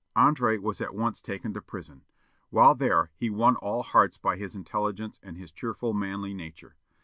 André was at once taken to prison. While there he won all hearts by his intelligence and his cheerful, manly nature.